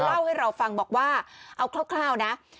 เล่าให้เราฟังบอกว่าเอาคร่าวนะ